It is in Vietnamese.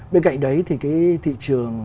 bên cạnh đấy thì cái thị trường